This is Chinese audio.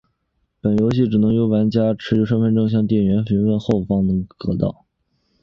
本游戏只能由玩家持有效身份证明向店员询问后方能购得。